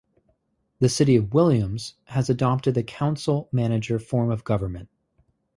The City of Williams has adopted the Council-Manager form of government.